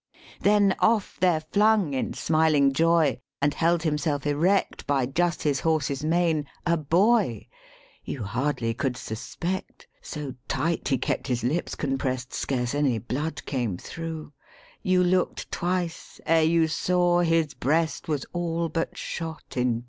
Ill Then off there flung in smiling joy, And held himself erect By just his horse's mane, a boy: You hardly could suspect (So tight he kept his lips compressed, Scarce any blood came through) You looked twice ere you saw his breast Was all but shot in two.